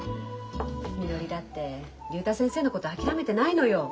みのりだって竜太先生のこと諦めてないのよ。